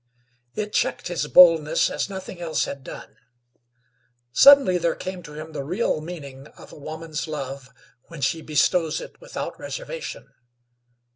It checked his boldness as nothing else had done. Suddenly there came to him the real meaning of a woman's love when she bestows it without reservation.